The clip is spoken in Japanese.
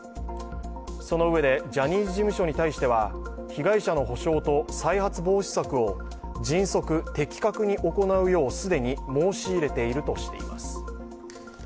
そのうえでジャニーズ事務所に対しては被害者の補償と再発防止策を迅速・的確に行うよう既に申し入れているとしています。